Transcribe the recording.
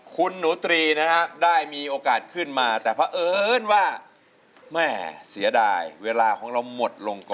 คุณหนูตรีนะฮะได้มีโอกาสขึ้นมาแต่เพราะเอิญว่าแม่เสียดายเวลาของเราหมดลงก่อน